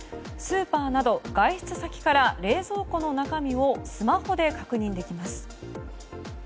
スーパーなど外出先から冷蔵庫の中身をスマホで確認できます。